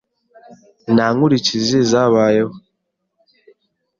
Nta nkurikizi zabayeho.